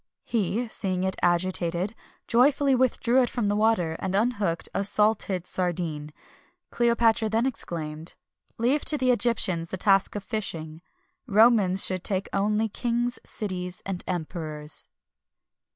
He, seeing it agitated, joyfully withdrew it from the water, and unhooked a salted sardine. Cleopatra then exclaimed: "Leave to Egyptians the task of fishing; Romans should take only kings, cities, and emperors."